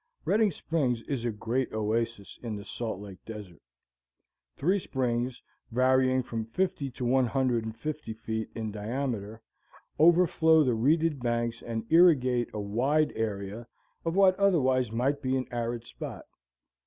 Redding Springs is a great oasis in the Salt Lake Desert. Three springs, varying from fifty to one hundred and fifty feet in diameter, overflow the reeded banks and irrigate a wide area of what otherwise might be an arid spot.